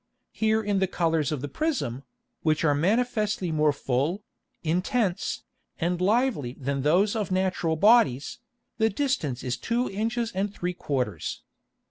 Here in the Colours of the Prism, which are manifestly more full, intense, and lively than those of natural Bodies, the distance is two Inches and three quarters.